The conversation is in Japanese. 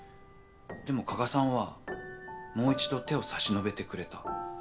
でも加賀さんはもう一度手を差し伸べてくれた。